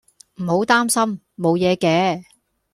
唔好擔心，無嘢嘅